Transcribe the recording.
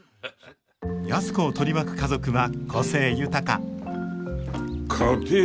安子を取り巻く家族は個性豊かかてえ